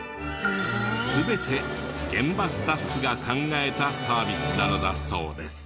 全て現場スタッフが考えたサービスなのだそうです。